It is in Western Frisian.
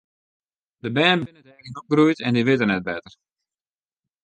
De bern binne dêryn opgroeid en dy witte net better.